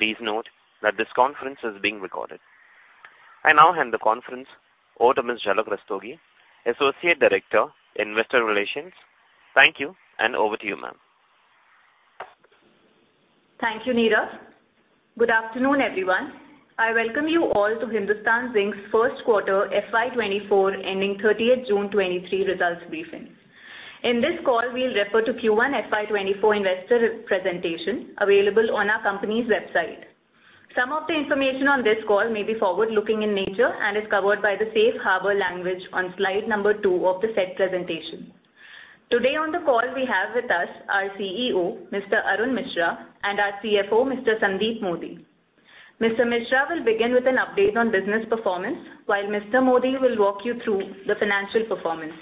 Please note that this conference is being recorded. I now hand the conference over to Ms. Jhalak Rastogi, Associate Director, Investor Relations. Thank you, and over to you, ma'am. Thank you, Neeraj. Good afternoon, everyone. I welcome you all to Hindustan Zinc's first quarter FY 2024, ending 30th June 2023 results briefing. In this call, we'll refer to Q1 FY 2024 investor presentation, available on our company's website. Some of the information on this call may be forward-looking in nature and is covered by the safe harbor language on slide number 2 of the said presentation. Today, on the call we have with us our CEO, Mr. Arun Misra, and our CFO, Mr. Sandeep Modi. Mr. Misra will begin with an update on business performance, while Mr. Modi will walk you through the financial performance.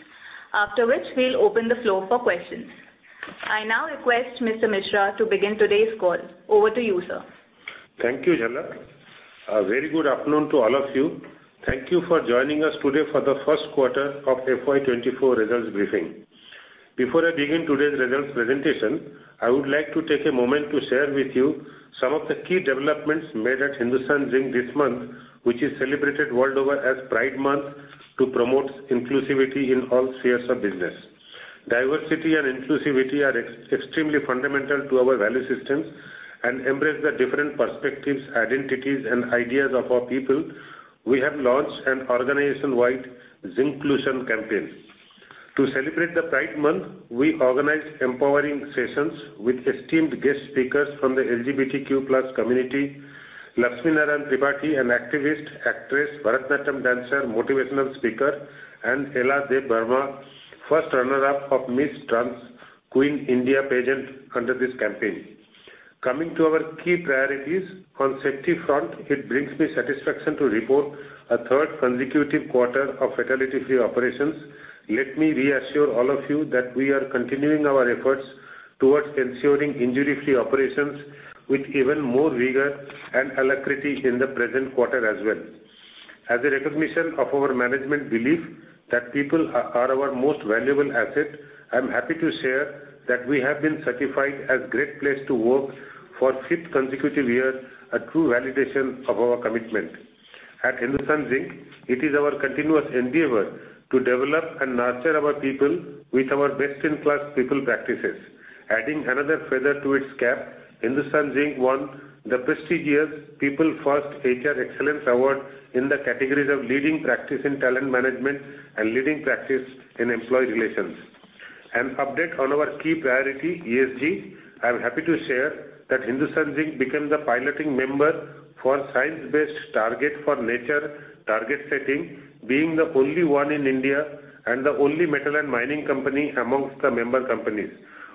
After which, we'll open the floor for questions. I now request Mr. Misra to begin today's call. Over to you, sir. Thank you, Jhalak. A very good afternoon to all of you. Thank you for joining us today for the first quarter of FY24 results briefing. Before I begin today's results presentation, I would like to take a moment to share with you some of the key developments made at Hindustan Zinc this month, which is celebrated world over as Pride Month, to promote inclusivity in all spheres of business. Diversity and inclusivity are extremely fundamental to our value systems and embrace the different perspectives, identities, and ideas of our people. We have launched an organization-wide Zinclusion campaign. To celebrate the Pride Month, we organized empowering sessions with esteemed guest speakers from the LGBTQ+ community, Laxmi Narayan Tripathi, an activist, actress, Bharatanatyam dancer, motivational speaker, and Ella D'Verma, first runner-up of Miss Trans Queen India pageant under this campaign. Coming to our key priorities, on safety front, it brings me satisfaction to report a third consecutive quarter of fatality-free operations. Let me reassure all of you that we are continuing our efforts towards ensuring injury-free operations with even more rigor and alacrity in the present quarter as well. As a recognition of our management belief that people are our most valuable asset, I'm happy to share that we have been certified as Great Place to Work for fifth consecutive year, a true validation of our commitment. At Hindustan Zinc, it is our continuous endeavor to develop and nurture our people with our best-in-class people practices. Adding another feather to its cap, Hindustan Zinc won the prestigious People First HR Excellence Award in the categories of Leading Practice in Talent Management and Leading Practice in Employee Relations. An update on our key priority, ESG. I'm happy to share that Hindustan Zinc became the piloting member for Science-Based Target for Nature target setting, being the only one in India and the only metal and mining company amongst the member companies.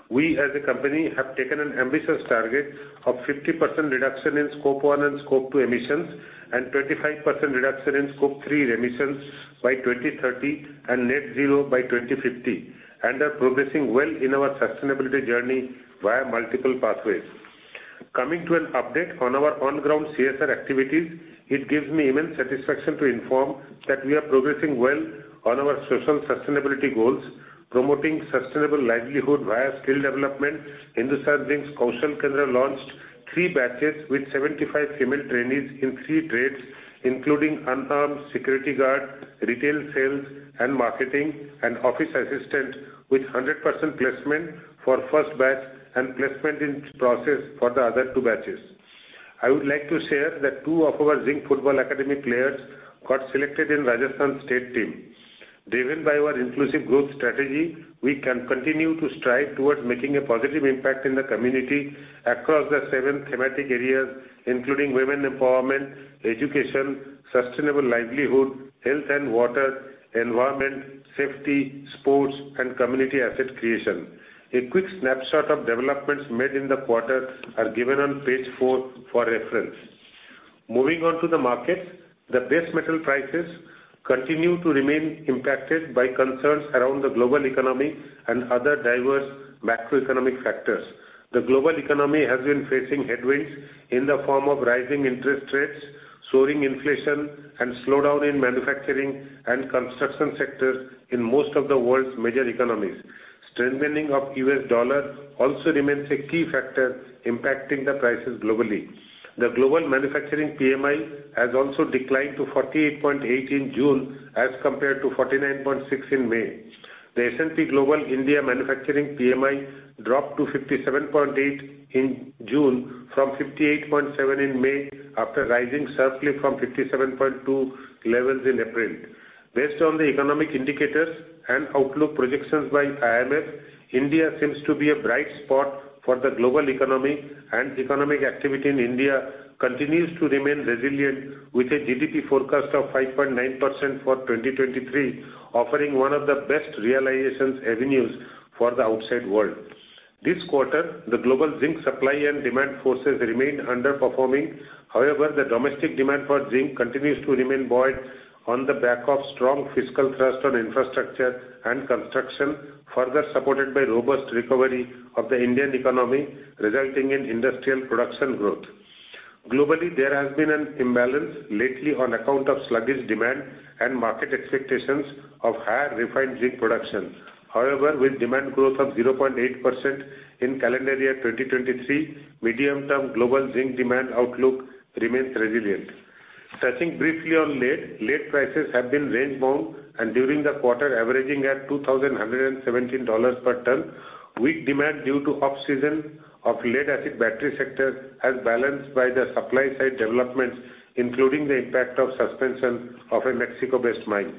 We, as a company, have taken an ambitious target of 50% reduction in Scope 1 and Scope 2 emissions, and 25% reduction in Scope 3 emissions by 2030, and net zero by 2050, and are progressing well in our sustainability journey via multiple pathways. Coming to an update on our on-ground CSR activities, it gives me immense satisfaction to inform that we are progressing well on our social sustainability goals, promoting sustainable livelihood via skill development. Hindustan Zinc's Kaushal Kendra launched 3 batches with 75 female trainees in 3 trades, including unarmed security guard, retail sales and marketing, and office assistant, with 100% placement for 1st batch and placement in process for the other 2 batches. I would like to share that 2 of our Zinc Football Academy players got selected in Rajasthan State team. Driven by our inclusive growth strategy, we can continue to strive towards making a positive impact in the community across the 7 thematic areas, including women empowerment, education, sustainable livelihood, health and water, environment, safety, sports, and community asset creation. A quick snapshot of developments made in the quarter are given on page 4 for reference. Moving on to the market. The base metal prices continue to remain impacted by concerns around the global economy and other diverse macroeconomic factors. The global economy has been facing headwinds in the form of rising interest rates, soaring inflation, and slowdown in manufacturing and construction sectors in most of the world's major economies. Strengthening of US dollar also remains a key factor impacting the prices globally. The global manufacturing PMI has also declined to 48.8 in June, as compared to 49.6 in May. The S&P Global India Manufacturing PMI dropped to 57.8 in June from 58.7 in May, after rising sharply from 57.2 levels in April. Based on the economic indicators and outlook projections by IMF, India seems to be a bright spot for the global economy. Economic activity in India continues to remain resilient, with a GDP forecast of 5.9% for 2023, offering one of the best realizations avenues for the outside world. This quarter, the global zinc supply and demand forces remained underperforming. The domestic demand for zinc continues to remain buoyed on the back of strong fiscal trust on infrastructure and construction, further supported by robust recovery of the Indian economy, resulting in industrial production growth. Globally, there has been an imbalance lately on account of sluggish demand and market expectations of higher refined zinc production. With demand growth of 0.8% in calendar year 2023, medium-term global zinc demand outlook remains resilient. Touching briefly on lead. Lead prices have been range-bound, and during the quarter, averaging at $2,117 per ton. Weak demand due to off-season of lead-acid battery sector has balanced by the supply-side developments, including the impact of suspension of a Mexico-based mine.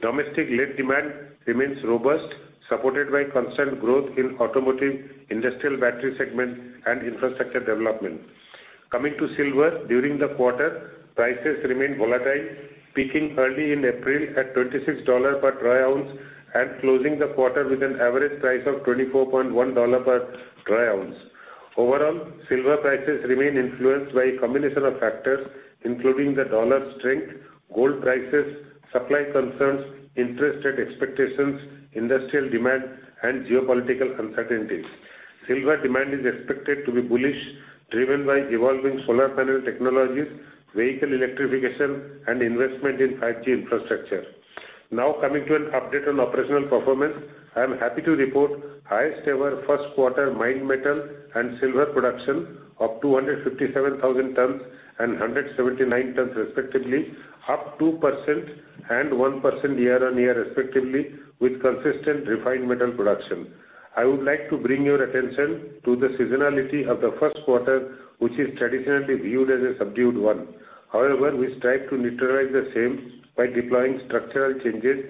Domestic lead demand remains robust, supported by constant growth in automotive, industrial battery segment, and infrastructure development. Coming to silver. During the quarter, prices remained volatile, peaking early in April at $26 per troy ounce, and closing the quarter with an average price of $24.1 per troy ounce. Overall, silver prices remain influenced by a combination of factors, including the dollar strength, gold prices, supply concerns, interest rate expectations, industrial demand, and geopolitical uncertainties. Silver demand is expected to be bullish, driven by evolving solar panel technologies, vehicle electrification, and investment in 5G infrastructure. Coming to an update on operational performance. I am happy to report highest ever first quarter mined metal and silver production of 257,000 tons and 179 tons, respectively, up 2% and 1% year-on-year, respectively, with consistent refined metal production. I would like to bring your attention to the seasonality of the first quarter, which is traditionally viewed as a subdued one. However, we strive to neutralize the same by deploying structural changes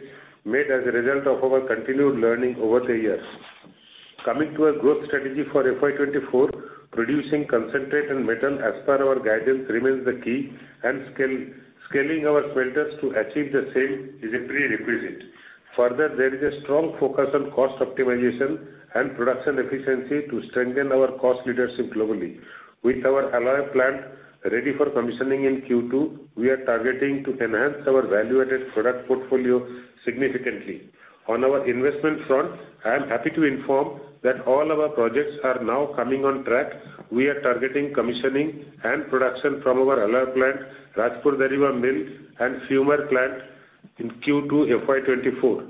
made as a result of our continued learning over the years. Coming to our growth strategy for FY 2024, producing concentrate and metal as per our guidance remains the key, scaling our smelters to achieve the same is a prerequisite. There is a strong focus on cost optimization and production efficiency to strengthen our cost leadership globally. With our alloy plant ready for commissioning in Q2, we are targeting to enhance our value-added product portfolio significantly. On our investment front, I am happy to inform that all our projects are now coming on track. We are targeting commissioning and production from our alloy plant, Rajpura Dariba mill, and fumer plant in Q2, FY 2024.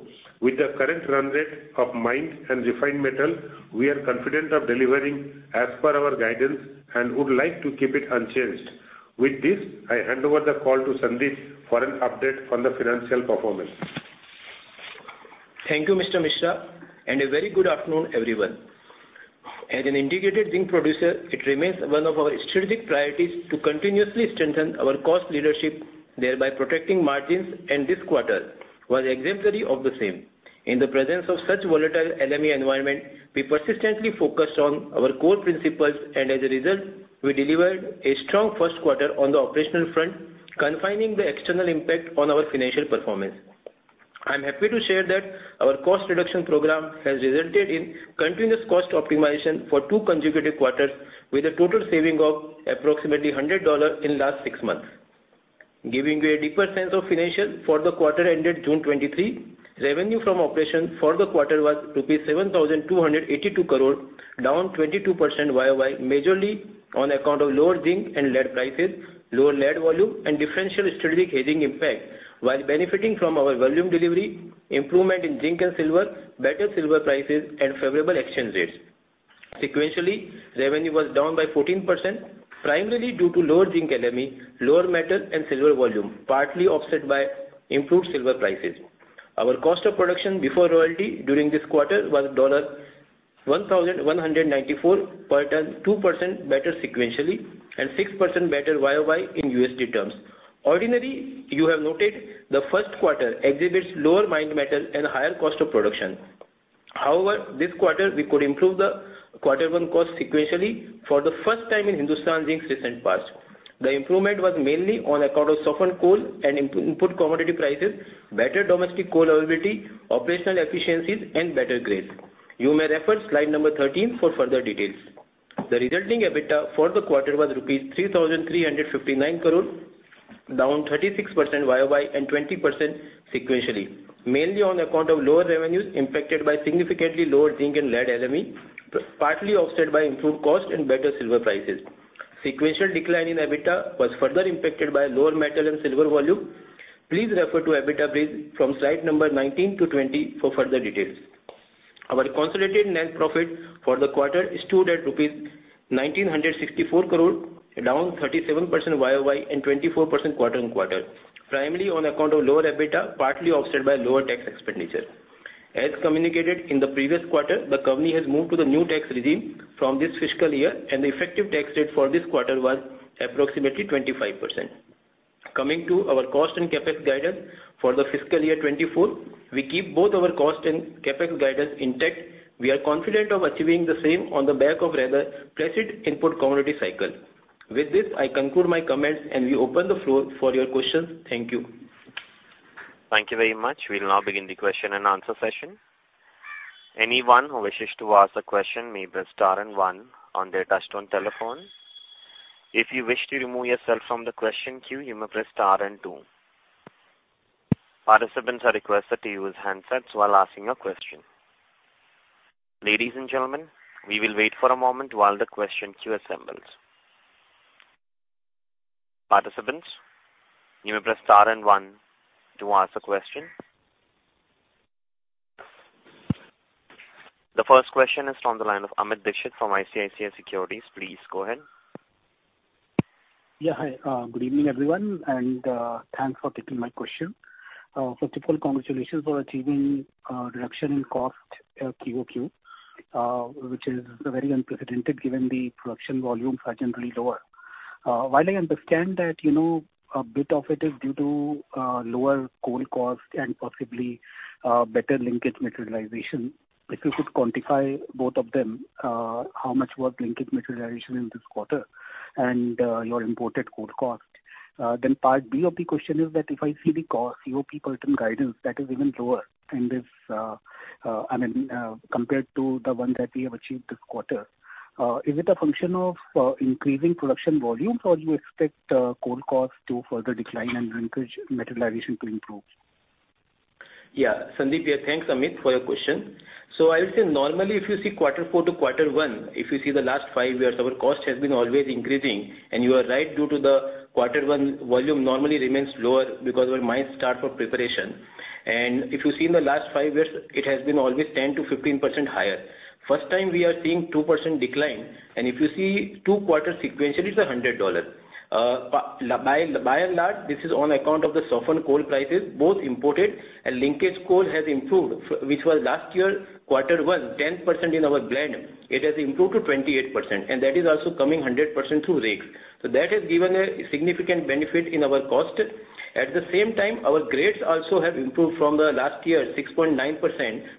With the current run rate of mined and refined metal, we are confident of delivering as per our guidance, and would like to keep it unchanged. With this, I hand over the call to Sandeep for an update on the financial performance. Thank you, Mr. Misra. A very good afternoon, everyone. As an integrated zinc producer, it remains one of our strategic priorities to continuously strengthen our cost leadership, thereby protecting margins. This quarter was exemplary of the same. In the presence of such volatile LME environment, we persistently focused on our core principles. As a result, we delivered a strong 1st quarter on the operational front, confining the external impact on our financial performance. I am happy to share that our cost reduction program has resulted in continuous cost optimization for 2 consecutive quarters, with a total saving of approximately $100 in last 6 months. Giving you a deeper sense of financial for the quarter ended June 2023, revenue from operations for the quarter was 7,282 crore, down 22% YoY, majorly on account of lower zinc and lead prices, lower lead volume, and differential strategic hedging impact, while benefiting from our volume delivery, improvement in zinc and silver, better silver prices, and favorable exchange rates. Sequentially, revenue was down by 14%, primarily due to lower zinc LME, lower metal and silver volume, partly offset by improved silver prices. Our cost of production before royalty during this quarter was $1,194 per ton, 2% better sequentially, 6% better YoY in USD terms. Ordinarily, you have noted the first quarter exhibits lower mined metal and higher cost of production. However, this quarter we could improve the quarter-on-quarter cost sequentially for the first time in Hindustan Zinc's recent past. The improvement was mainly on account of softened coal and input commodity prices, better domestic coal availability, operational efficiencies, and better grades. You may refer slide number 13 for further details. The resulting EBITDA for the quarter was INR 3,359 crore, down 36% YoY and 20% sequentially, mainly on account of lower revenues impacted by significantly lower zinc and lead LME, partly offset by improved cost and better silver prices. Sequential decline in EBITDA was further impacted by lower metal and silver volume. Please refer to EBITDA bridge from slide number 19 to 20 for further details. Our consolidated net profit for the quarter stood at rupees 1,964 crore, down 37% YoY and 24% quarter-on-quarter, primarily on account of lower EBITDA, partly offset by lower tax expenditure. As communicated in the previous quarter, the company has moved to the new tax regime from this fiscal year, and the effective tax rate for this quarter was approximately 25%. Coming to our cost and CapEx guidance for the fiscal year 2024, we keep both our cost and CapEx guidance intact. We are confident of achieving the same on the back of rather placid input commodity cycle. With this, I conclude my comments and we open the floor for your questions. Thank you. Thank you very much. We'll now begin the question-and-answer session. Anyone who wishes to ask a question may press star and one on their touch-tone telephone. If you wish to remove yourself from the question queue, you may press star and two. Participants are requested to use handsets while asking a question. Ladies and gentlemen, we will wait for a moment while the question queue assembles. Participants, you may press star and one to ask a question. The first question is from the line of Amit Dixit from ICICI Securities. Please go ahead. Yeah, hi. Good evening, everyone, and thanks for taking my question. First of all, congratulations for achieving reduction in cost QoQ, which is very unprecedented, given the production volumes are generally lower. While I understand that, you know, a bit of it is due to lower coal cost and possibly better linkage materialization, if you could quantify both of them, how much was linkage materialization in this quarter and your imported coal cost? Part B of the question is that if I see the COP per ton guidance, that is even lower in this, I mean, compared to the one that we have achieved this quarter. Is it a function of increasing production volumes, or you expect coal costs to further decline and linkage materialization to improve? Yeah. Sandeep here. Thanks, Amit, for your question. I would say normally, if you see quarter four to quarter one, if you see the last five years, our cost has been always increasing. You are right, due to the quarter one, volume normally remains lower because our mines start for preparation. If you see in the last five years, it has been always 10%-15% higher. First time, we are seeing 2% decline, and if you see two quarters sequentially, it's $100. By and large, this is on account of the softened coal prices, both imported and linkage coal has improved, which was last year, quarter one, 10% in our blend. It has improved to 28%, and that is also coming 100% through rakes. That has given a significant benefit in our cost. At the same time, our grades also have improved from the last year, 6.9%,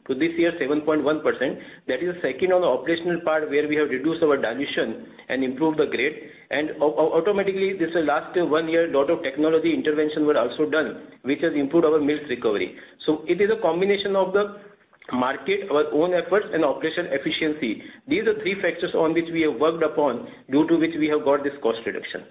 to this year, 7.1%. That is second on the operational part, where we have reduced our dilution and improved the grade. Automatically, this last one year, lot of technology intervention were also done, which has improved our mill's recovery. It is a combination of the market, our own efforts, and operation efficiency. These are three factors on which we have worked upon, due to which we have got this cost reduction.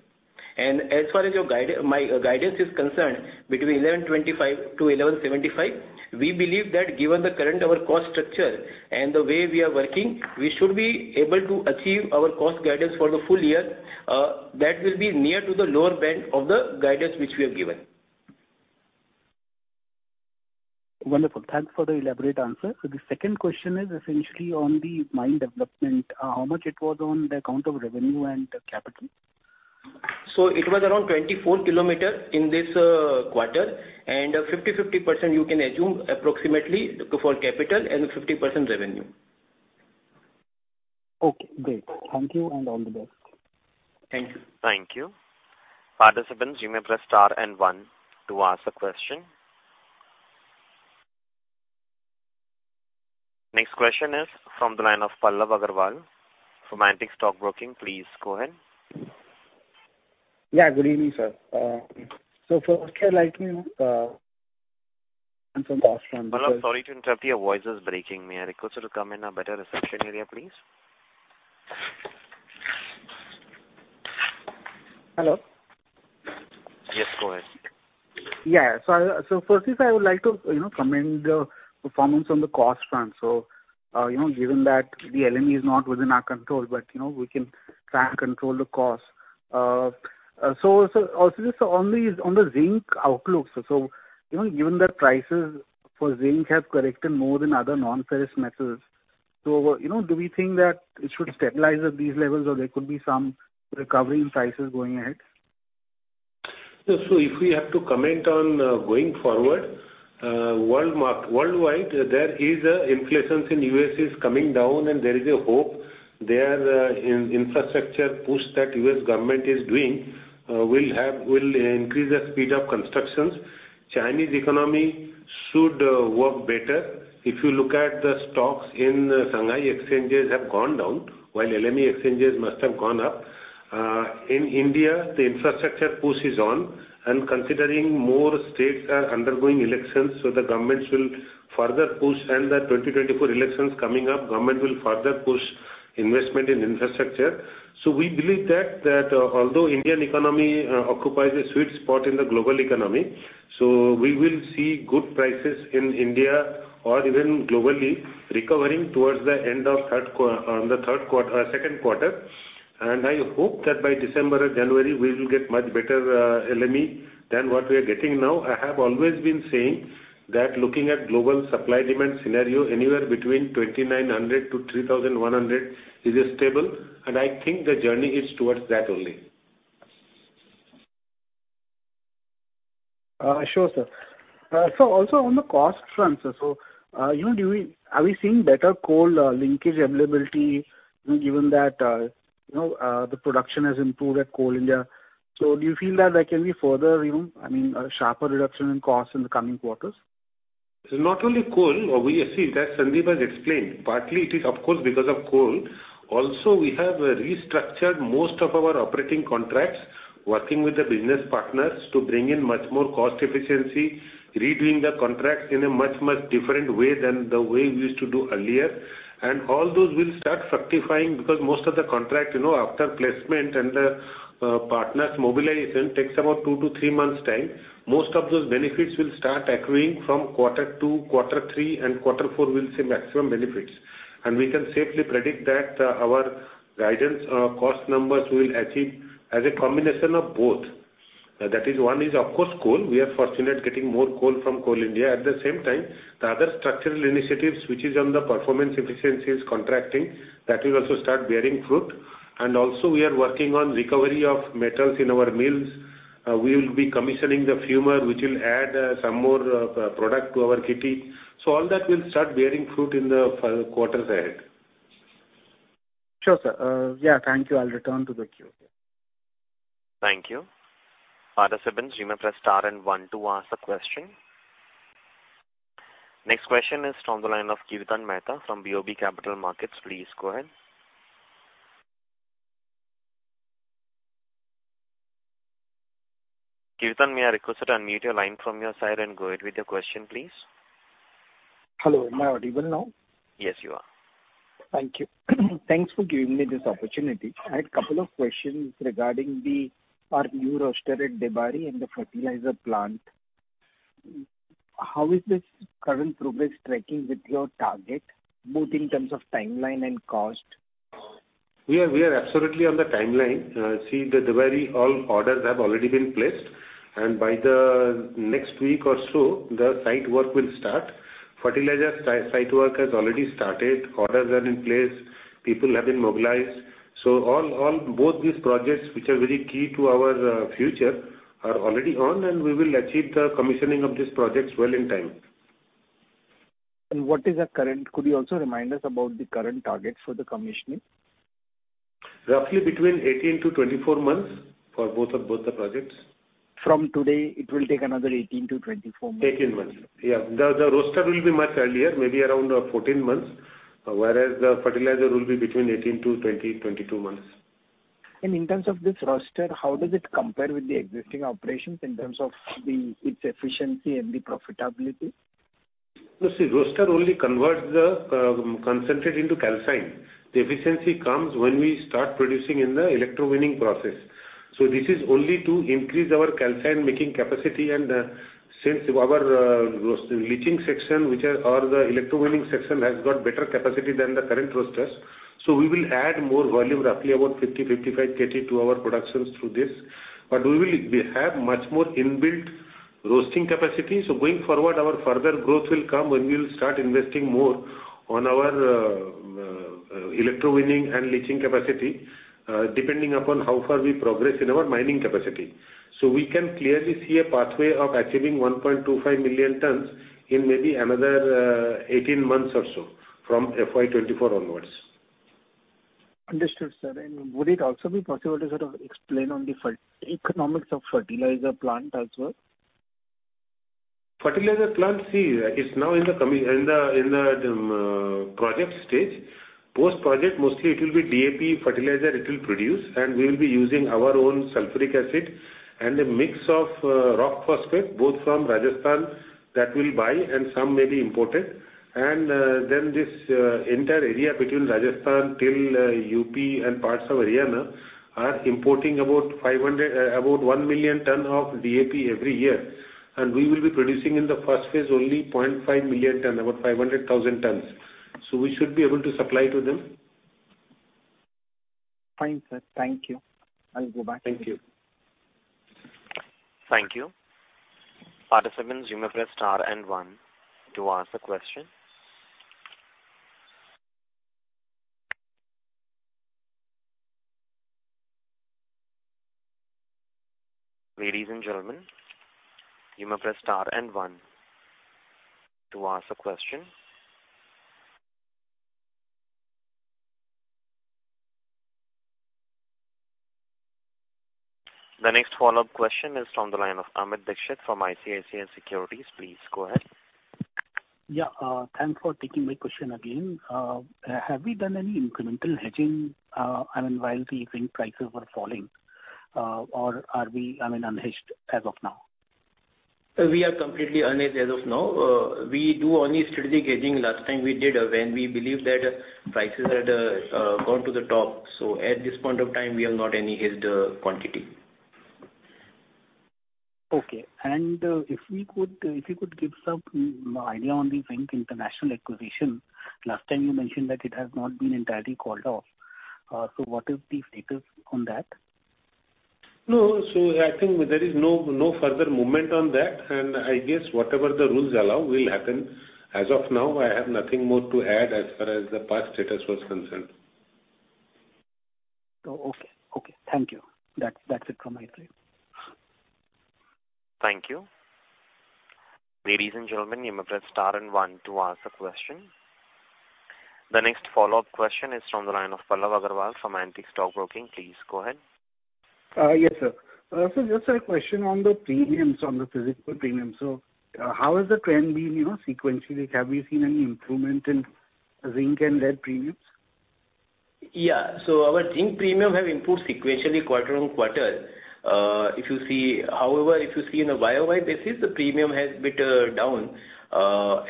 As far as your guide, my guidance is concerned, between $1,125-$1,175, we believe that given the current our cost structure and the way we are working, we should be able to achieve our cost guidance for the full year. That will be near to the lower band of the guidance which we have given. Wonderful. Thanks for the elaborate answer. The second question is essentially on the mine development. How much it was on the account of revenue and capital? It was around 24 km in this quarter, and 50/50% you can assume approximately for capital and 50% revenue. Okay, great. Thank you, and all the best. Thank you. Thank you. Participants, you may press star and one to ask a question. Next question is from the line of Pallav Agarwal from Antique Stock Broking. Please go ahead. Yeah, good evening, sir. First I'd like to. Pallav, sorry to interrupt you. Your voice is breaking, may I request you to come in a better reception area, please? Hello? Yes, go ahead. Firstly, I would like to, you know, commend the performance on the cost front. Given that the LME is not within our control, but, you know, we can try and control the cost. Also just on the, on the zinc outlook. Given that prices for zinc have corrected more than other non-ferrous metals, you know, do we think that it should stabilize at these levels, or there could be some recovery in prices going ahead? Yeah, so if we have to comment on, going forward, worldwide, there is a inflations in US is coming down and there is a hope there, in infrastructure push that US government is doing, will increase the speed of constructions. Chinese economy should work better. If you look at the stocks in Shanghai exchanges have gone down, while LME exchanges must have gone up. In India, the infrastructure push is on, and considering more states are undergoing elections, so the governments will further push, and the 2024 elections coming up, government will further push investment in infrastructure. We believe that, although Indian economy occupies a sweet spot in the global economy, so we will see good prices in India or even globally, recovering towards the end of the second quarter. I hope that by December or January, we will get much better LME than what we are getting now. I have always been saying that looking at global supply/demand scenario, anywhere between $2,900-$3,100 is a stable, and I think the journey is towards that only. Sure, sir. Also on the cost front, sir, you know, are we seeing better coal linkage availability, you know, given that, you know, the production has improved at Coal India? Do you feel that there can be further, you know, I mean, a sharper reduction in costs in the coming quarters? Not only coal, we have seen, as Sandeep has explained, partly it is of course, because of coal. Also, we have restructured most of our operating contracts, working with the business partners to bring in much more cost efficiency, redoing the contracts in a much, much different way than the way we used to do earlier. All those will start fructifying because most of the contract, you know, after placement and the partners' mobilization, takes about two to three months' time. Most of those benefits will start accruing from quarter two, quarter three, and quarter four, we'll see maximum benefits. We can safely predict that our guidance, cost numbers will achieve as a combination of both. That is one is of course, coal. We are fortunate getting more coal from Coal India. At the same time, the other structural initiatives, which is on the performance efficiencies contracting, that will also start bearing fruit. Also we are working on recovery of metals in our mills. We will be commissioning the fumer, which will add some more product to our kitty. All that will start bearing fruit in the quarters ahead. Sure, sir. Yeah, thank you. I'll return to the queue. Thank you. Participants, you may press star and one to ask the question. Next question is from the line of Kirtan Mehta from BOB Capital Markets. Please go ahead. Kirtan, may I request you to unmute your line from your side and go ahead with your question, please. Hello, am I audible now? Yes, you are. Thank you. Thanks for giving me this opportunity. I had a couple of questions regarding our new roaster at Debari and the fertilizer plant. How is this current progress tracking with your target, both in terms of timeline and cost? We are absolutely on the timeline. See, the Debari, all orders have already been placed, and by the next week or so, the site work will start. Fertilizer site work has already started, orders are in place, people have been mobilized. All both these projects, which are very key to our future, are already on, and we will achieve the commissioning of these projects well in time. Could you also remind us about the current targets for the commissioning? Roughly between 18 to 24 months for both the projects. From today, it will take another 18-24 months? 18 months. Yeah, the roaster will be much earlier, maybe around 14 months, whereas the fertilizer will be between 18 to 20-22 months. In terms of this roaster, how does it compare with the existing operations in terms of its efficiency and the profitability? No, see, roaster only converts the concentrate into calcine. The efficiency comes when we start producing in the electrowinning process. This is only to increase our calcine making capacity, and since our leaching section, which are, or the electrowinning section, has got better capacity than the current roasters. We will add more volume, roughly about 50-55 KT to our productions through this. We have much more inbuilt roasting capacity. Going forward, our further growth will come when we will start investing more on our electrowinning and leaching capacity, depending upon how far we progress in our mining capacity. We can clearly see a pathway of achieving 1.25 million tons in maybe another 18 months or so, from FY 2024 onwards. Understood, sir. Would it also be possible to sort of explain on the economics of fertilizer plant as well? Fertilizer plant, see, is now in the project stage. Post project, mostly it will be DAP fertilizer it will produce, and we will be using our own sulfuric acid and a mix of rock phosphate, both from Rajasthan, that we'll buy, and some may be imported. Then this entire area between Rajasthan till UP and parts of Haryana are importing about 1 million ton of DAP every year. We will be producing in the first phase only 0.5 million ton, about 500,000 tons. We should be able to supply to them. Fine, sir. Thank you. I'll go back. Thank you. Thank you. Participants, you may press star and one to ask a question. Ladies and gentlemen, you may press star and one to ask a question. The next follow-up question is from the line of Amit Dixit from ICICI Securities. Please go ahead. Thanks for taking my question again. Have we done any incremental hedging, I mean, while the zinc prices were falling, or are we, I mean, unhedged as of now? We are completely unhedged as of now. We do only strategic hedging. Last time we did, when we believed that prices had gone to the top. At this point of time, we have not any hedged quantity. Okay. If you could give some idea on the Zinc International acquisition. Last time you mentioned that it has not been entirely called off. What is the status on that? No, I think there is no further movement on that, and I guess whatever the rules allow will happen. As of now, I have nothing more to add as far as the past status was concerned. Oh, okay. Okay, thank you. That's it from my side. Thank you. Ladies and gentlemen, you may press star and 1 to ask a question. The next follow-up question is from the line of Pallav Agarwal from Antique Stock Broking. Please go ahead. Yes, sir. Just a question on the premiums, on the physical premiums. How has the trend been, you know, sequentially? Have you seen any improvement in zinc and lead premiums? Yeah. Our zinc premium have improved sequentially, quarter-on-quarter. However, if you see in a year-over-year basis, the premium has bit down. While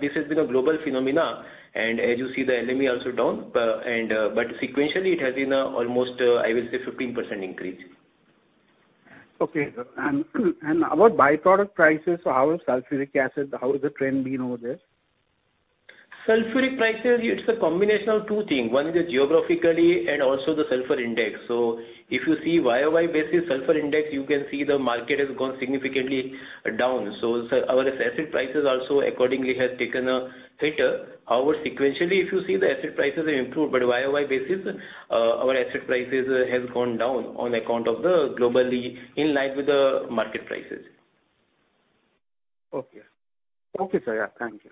this has been a global phenomena, and as you see, the LME also down. Sequentially, it has been almost, I will say, 15% increase. Okay, sir. About byproduct prices, how is sulfuric acid, how is the trend been over there? ... sulfuric prices, it's a combination of two things, one is the geographically and also the sulfur index. If you see YoY basis sulfur index, you can see the market has gone significantly down. Our acid prices also accordingly has taken a hit. However, sequentially, if you see the acid prices have improved, but YoY basis, our acid prices have gone down on account of the globally in line with the market prices. Okay. Okay, sir. Yeah, thank you.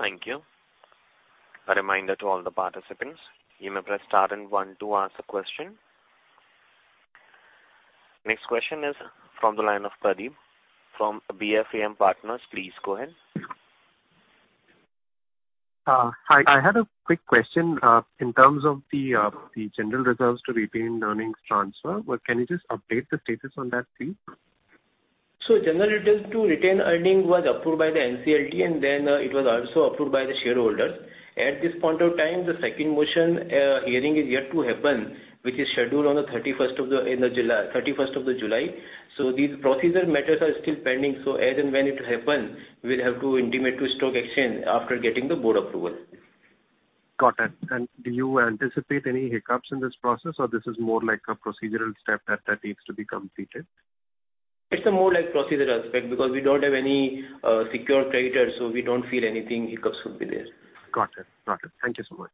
Thank you. A reminder to all the participants, you may press star and one to ask a question. Next question is from the line of Pradeep, from BFAM Partners. Please go ahead. Hi, I had a quick question, in terms of the general reserves to retained earnings transfer. Can you just update the status on that, please? General reserves to retained earnings was approved by the NCLT, and then, it was also approved by the shareholders. At this point of time, the second motion hearing is yet to happen, which is scheduled on the 31st of July. These procedural matters are still pending, so as and when it happens, we'll have to intimate to stock exchange after getting the board approval. Got it. Do you anticipate any hiccups in this process, or this is more like a procedural step that needs to be completed? It's a more like procedural aspect, because we don't have any secured creditors, so we don't feel anything hiccups would be there. Got it. Got it. Thank you so much.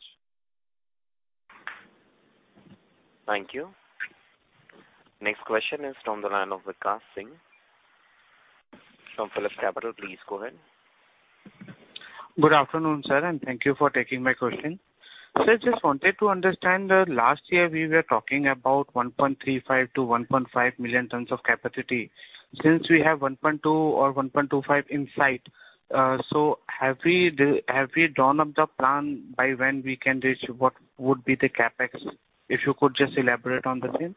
Thank you. Next question is from the line of Vikas Singh from PhillipCapital. Please go ahead. Good afternoon, sir. Thank you for taking my question. Sir, just wanted to understand, last year we were talking about 1.35 million-1.5 million tons of capacity. Since we have 1.2 or 1.25 in sight, have we drawn up the plan by when we can reach, what would be the CapEx? If you could just elaborate on the same.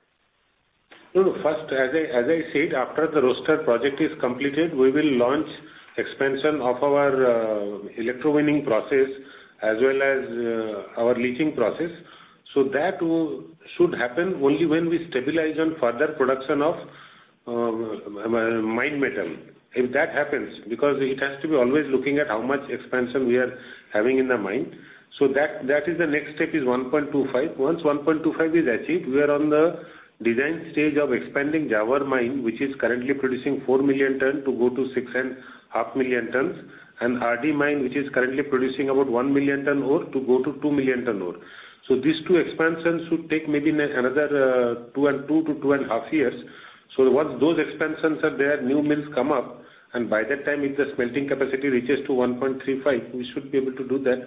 No, first, as I said, after the roaster project is completed, we will launch expansion of our electrowinning process as well as our leaching process. That should happen only when we stabilize on further production of mine metal. If that happens, because it has to be always looking at how much expansion we are having in the mine. That is the next step is 1.25. Once 1.25 is achieved, we are on the design stage of expanding Zawar Mines, which is currently producing 4 million tons, to go to 6.5 million tons, and RD Mine, which is currently producing about 1 million tons ore, to go to 2 million tons ore. These two expansions should take another 2 to 2.5 years. Once those expansions are there, new mills come up, and by that time, if the smelting capacity reaches to 1.35, we should be able to do that.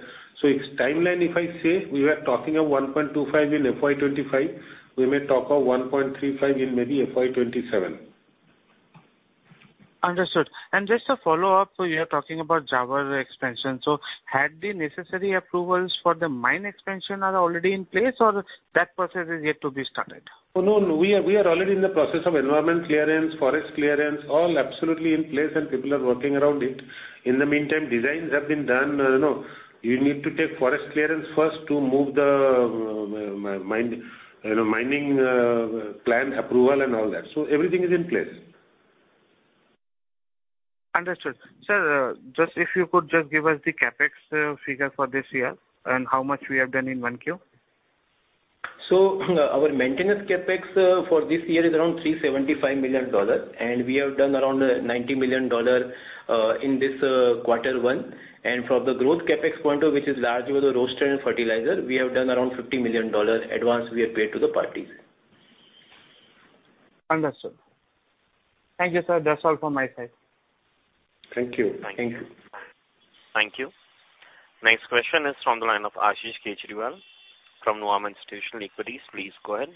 Its timeline, if I say, we were talking of 1.25 in FY2025, we may talk of 1.35 in maybe FY 2027. Understood. Just a follow-up, so you are talking about Zawar expansion. Had the necessary approvals for the mine expansion are already in place, or that process is yet to be started? Oh, no. We are already in the process of environment clearance, forest clearance, all absolutely in place, and people are working around it. In the meantime, designs have been done. You know, you need to take forest clearance first to move the mine, you know, mining plan approval and all that. Everything is in place. Understood. Sir, just if you could just give us the CapEx figure for this year and how much we have done in 1Q? Our maintenance CapEx for this year is around $375 million, and we have done around $90 million in this Q1. From the growth CapEx point of view, which is largely the roaster and fertilizer, we have done around $50 million advance we have paid to the parties. Understood. Thank you, sir. That's all from my side. Thank you. Thank you. Thank you. Next question is from the line of Ashish Kejriwal from Nuvama Institutional Equities. Please go ahead.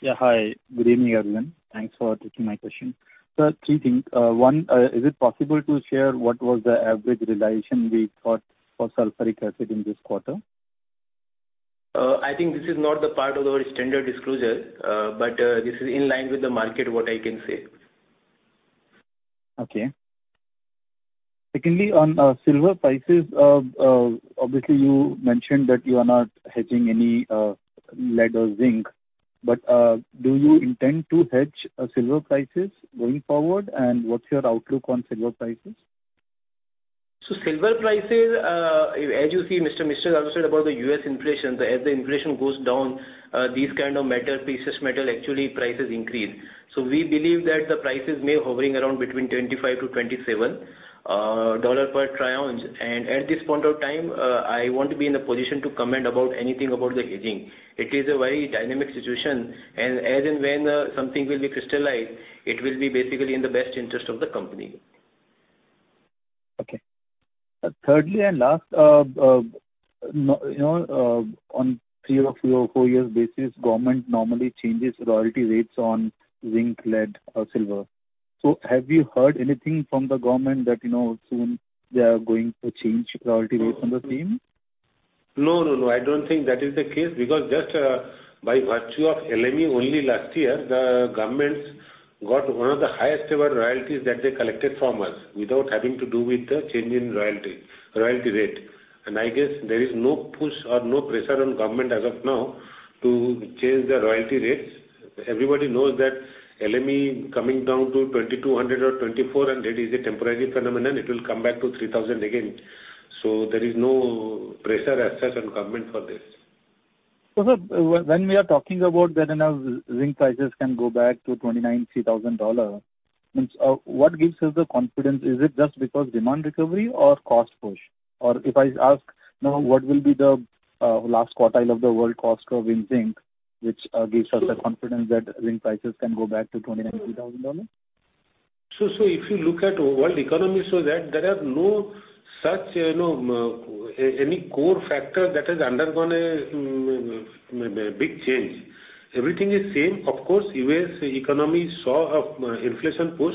Yeah, hi. Good evening, everyone. Thanks for taking my question. Sir, three things. One, is it possible to share what was the average realization we got for sulfuric acid in this quarter? I think this is not the part of our standard disclosure, but this is in line with the market, what I can say. Okay. Secondly, on, silver prices, obviously, you mentioned that you are not hedging any, lead or zinc. Do you intend to hedge, silver prices going forward? What's your outlook on silver prices? Silver prices, as you see, Mr. Misra, also about the US inflation, as the inflation goes down, these kind of metal, precious metal, actually prices increase. We believe that the prices may hovering around between $25-$27 per troy ounce. At this point of time, I want to be in a position to comment about anything about the hedging. It is a very dynamic situation, and as and when something will be crystallized, it will be basically in the best interest of the company. Okay. Thirdly, last, you know, on 3 or 4 years basis, government normally changes royalty rates on zinc, lead or silver. Have you heard anything from the government that, you know, soon they are going to change royalty rates on the same? No, no. I don't think that is the case, because just by virtue of LME only last year, the governments got one of the highest ever royalties that they collected from us, without having to do with the change in royalty rate. I guess there is no push or no pressure on government as of now to change the royalty rates. Everybody knows that LME coming down to $2,200 or $2,400, and that is a temporary phenomenon. It will come back to $3,000 again. There is no pressure as such on government for this. Sir, when we are talking about that enough zinc prices can go back to $2,900-$3,000, means, what gives us the confidence? Is it just because demand recovery or cost push? If I ask now, what will be the last quartile of the world cost curve in zinc, which gives us the confidence that zinc prices can go back to $2,900-$3,000? If you look at world economy, so that there are no such, you know, any core factor that has undergone a big change. Everything is same. Of course, US economy saw a inflation push,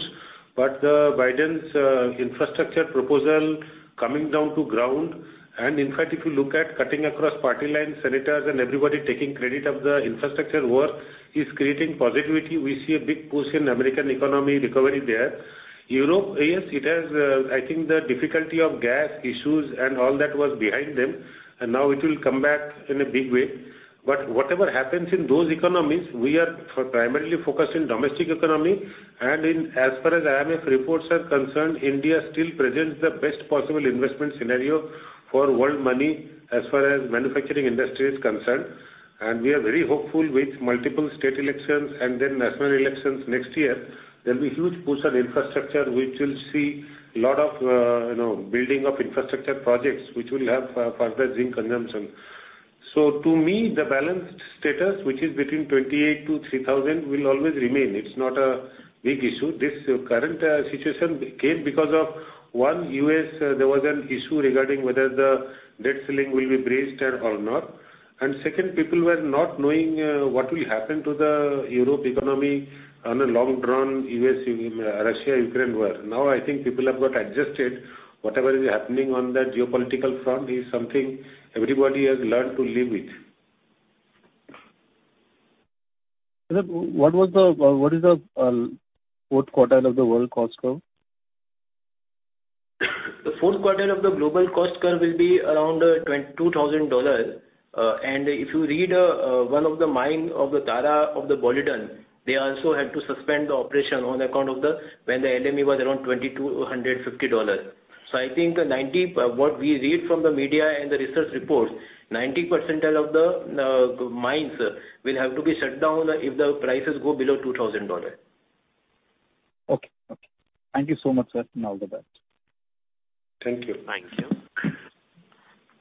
but the Biden's infrastructure proposal coming down to ground. In fact, if you look at cutting across party lines, senators and everybody taking credit of the infrastructure work, is creating positivity. We see a big push in American economy recovery there. Europe, yes, it has, I think, the difficulty of gas issues and all that was behind them, and now it will come back in a big way. Whatever happens in those economies, we are primarily focused in domestic economy. In as far as IMF reports are concerned, India still presents the best possible investment scenario for world money as far as manufacturing industry is concerned. We are very hopeful with multiple state elections and then national elections next year, there'll be huge push on infrastructure, which will see a lot of, you know, building of infrastructure projects, which will have, further zinc consumption. To me, the balanced status, which is between 28 to 3,000, will always remain. It's not a big issue. This current situation came because of, one, US, there was an issue regarding whether the debt ceiling will be raised or not. Second, people were not knowing, what will happen to the Europe economy on a long-term US, Russia, Ukraine war. I think people have got adjusted. Whatever is happening on the geopolitical front is something everybody has learned to live with. Sir, what is the fourth quartile of the world cost curve? The fourth quartile of the global cost curve will be around $22,000. If you read, one of the mine of the Tara, of the Boliden, they also had to suspend the operation on account of, when the LME was around $2,250. I think the 90, what we read from the media and the research reports, 90 percentile of the mines will have to be shut down if the prices go below $2,000. Okay. Okay. Thank you so much, sir, and all the best. Thank you. Thank you.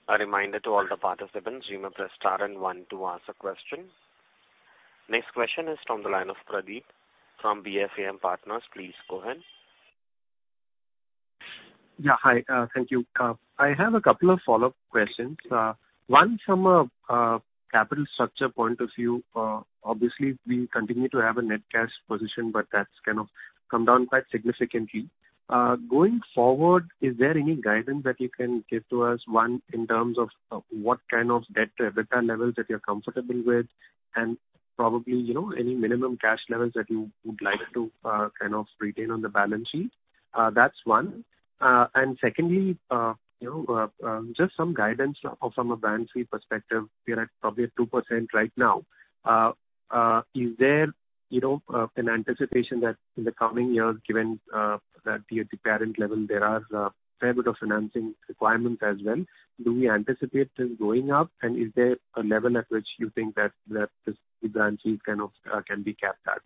A reminder to all the participants, you may press star and 1 to ask a question. Next question is from the line of Pradeep from BFAM Partners. Please go ahead. Yeah, hi, thank you. I have a couple of follow-up questions. One from a capital structure point of view. Obviously, we continue to have a net cash position, but that's kind of come down quite significantly. Going forward, is there any guidance that you can give to us, one, in terms of what kind of debt-to-EBITDA levels that you're comfortable with, and probably, you know, any minimum cash levels that you would like to kind of retain on the balance sheet? That's one. Secondly, you know, just some guidance from a brand fee perspective, we are at probably at 2% right now. Is there, you know, an anticipation that in the coming years, given that the, at the current level, there are fair bit of financing requirements as well, do we anticipate this going up? Is there a level at which you think that this, the brand fee kind of, can be capped at?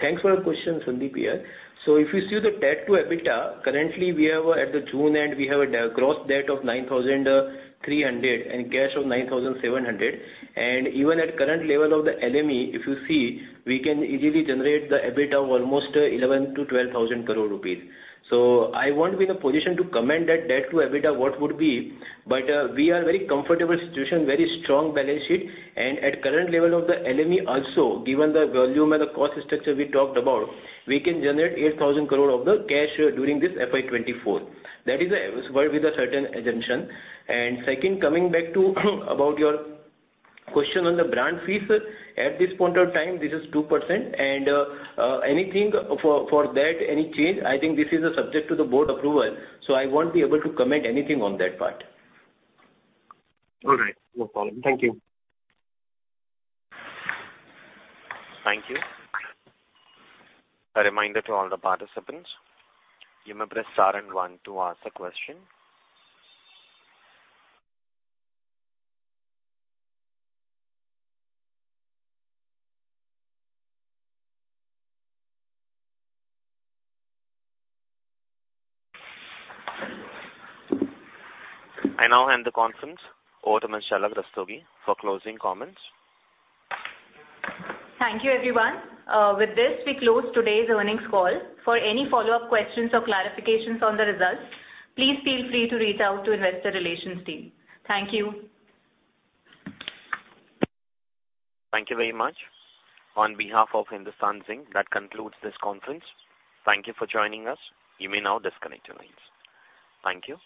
Thanks for the question, Pradeep. If you see the debt to EBITDA, currently we have at the June end, we have a gross debt of 9,300 and cash of 9,700. Even at current level of the LME, if you see, we can easily generate the EBITDA of almost 11,000 crore rupees-INR12,000 crore. I won't be in a position to comment that debt to EBITDA, what would be, but we are very comfortable situation, very strong balance sheet. At current level of the LME also, given the volume and the cost structure we talked about, we can generate 8,000 crore of the cash during this FY 2024. That is with a certain assumption. Second, coming back to, about your question on the brand fees. At this point of time, this is 2%. Anything for that, any change, I think this is a subject to the board approval, so I won't be able to comment anything on that part. All right. No problem. Thank you. Thank you. A reminder to all the participants, you may press star 1 to ask a question. I now hand the conference over to Jhalak Rastogi for closing comments. Thank you, everyone. With this, we close today's earnings call. For any follow-up questions or clarifications on the results, please feel free to reach out to investor relations team. Thank you. Thank you very much. On behalf of Hindustan Zinc, that concludes this conference. Thank you for joining us. You may now disconnect your lines. Thank you.